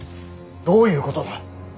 どういうことだ。